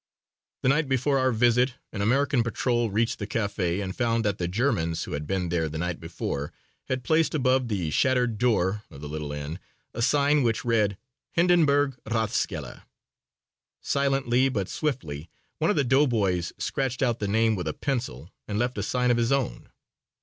The night before our visit an American patrol reached the café and found that the Germans who had been there the night before had placed above the shattered door of the little inn a sign which read: "Hindenburg Rathskeller." Silently but swiftly one of the doughboys scratched out the name with a pencil and left a sign of his own.